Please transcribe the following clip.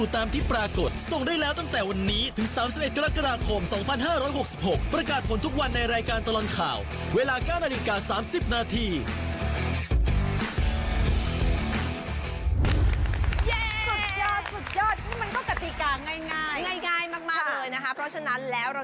ห้ามพลาดติดตามทุกวันกับรายการตลอดข่าวตอน๙โมงครึ่งค่ะ